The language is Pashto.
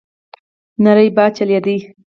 نری باد چلېده.